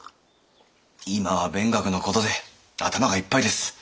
今は勉学のことで頭がいっぱいです。